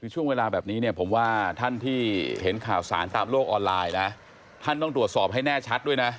ช่วงเวลาแบบนี้เนี่ยผมว่าท่านที่เห็นข่าวสารตามโลกออนไลน์นะท่านต้องตรวจสอบให้แน่ชัดด้วยนะ